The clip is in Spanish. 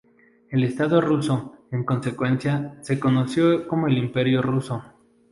El estado ruso, en consecuencia, se conoció como el Imperio ruso.